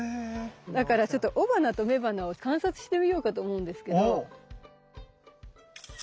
だからちょっと雄花と雌花を観察してみようかと思うんですけど。